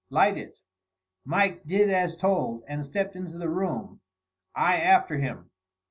"Light it." Mike did as told, and stepped into the room, I after him.